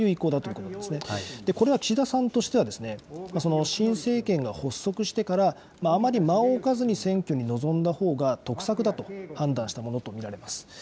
これは岸田さんとしては、新政権が発足してから、あまり間を置かずに選挙に臨んだほうが得策だと判断したものと見られます。